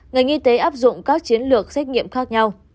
ngành y tế áp dụng các chiến lược xét nghiệm khác nhau